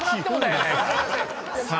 ［さあ